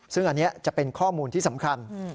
ซึ่งอันนี้จะเป็นข้อมูลที่สำคัญ